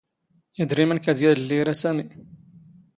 ⵉⴷⵔⵉⵎⵏ ⴽⴰ ⵢⴰⴷⵍⵍⵉ ⵉⵔⴰ ⵙⴰⵎⵉ.